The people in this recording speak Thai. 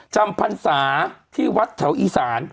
จำพรรษาที่วัดแถวอีสาน